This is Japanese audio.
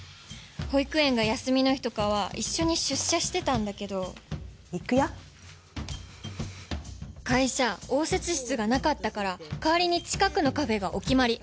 保育園が休みの日とかは一緒に出社してたんだけど行くよ会社応接室がなかったから代わりに近くのカフェがお決まり。